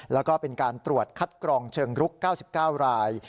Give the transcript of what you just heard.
แล้วก็เป็นการตรวจคัดกรองเชิงรุก๙๙ราย